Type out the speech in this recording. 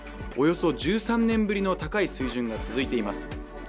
およそ１３年ぶりの高い水準が続いています